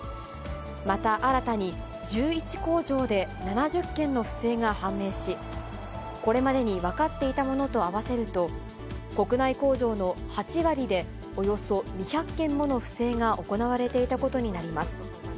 また、新たに１１工場で７０件の不正が判明し、これまでに分かっていたものと合わせると、国内工場の８割でおよそ２００件もの不正が行われていたことになります。